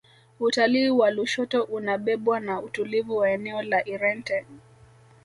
utalii wa lushoto unabebwa na utulivu wa eneo la irente